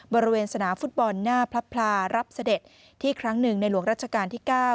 บริเวณสนามฟุตบอลหน้าพระพลารับเสด็จที่ครั้งหนึ่งในหลวงรัชกาลที่๙